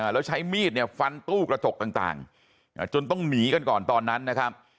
แล้วใช้มีดเนี่ยฟันตู้กระจกต่างจนต้องหนีกันก่อนตอนนั้นนะครับ